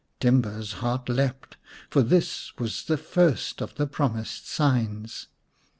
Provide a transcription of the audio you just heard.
Timba's heart leapt, for this was the first of the promised signs.